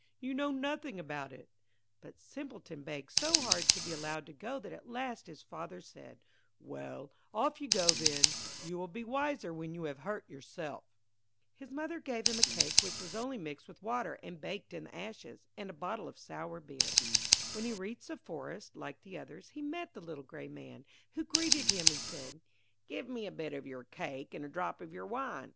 You know nothing about it.' But Simpleton begged so hard to be allowed to go that at last his father said, 'Well, off you go then. You will be wiser when you have hurt yourself.' [Illustration: There stands an old tree; cut it down, and you will find something at the roots.] His mother gave him a cake which was only mixed with water and baked in the ashes, and a bottle of sour beer. When he reached the forest, like the others, he met the little grey Man, who greeted him, and said, 'Give me a bit of your cake and a drop of your wine.